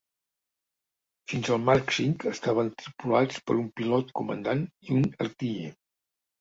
Fins al Mark V, estaven tripulats per un pilot-comandant i un artiller.